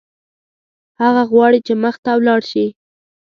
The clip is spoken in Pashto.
هغه غواړي چې مخته ولاړ شي.